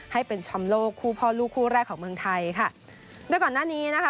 ให้เป็นแชมป์โลกคู่พ่อลูกคู่แรกของเมืองไทยค่ะโดยก่อนหน้านี้นะคะ